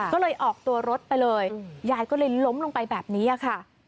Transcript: ก็เลยออกตัวรถไปเลยยายก็เลยล้มลงไปแบบนี้ค่ะ